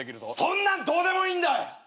そんなんどうでもいいんだ！